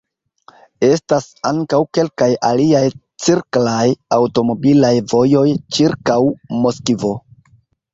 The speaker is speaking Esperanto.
Estas ankaŭ kelkaj aliaj cirklaj aŭtomobilaj vojoj ĉirkaŭ Moskvo.